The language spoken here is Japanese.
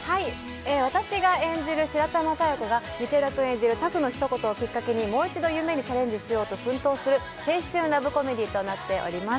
私が演じる白玉佐弥子が道枝君演じる拓のひと言でもう一度夢にチャレンジしようと奮闘する青春ラブコメディーとなっております。